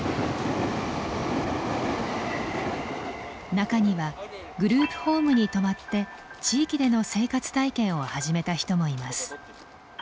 中にはグループホームに泊まって地域での生活体験を始めた人もいます。